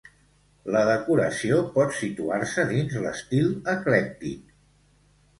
La decoració pot situar-se dins l'estil eclèctic.